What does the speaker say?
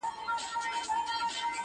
راځه چې پیل وکړو له انجامه، محبته!!